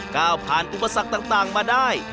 ก้าวผ่านอุปสรรคต่างมาได้